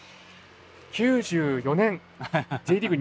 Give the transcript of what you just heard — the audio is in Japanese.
９４年Ｊリーグ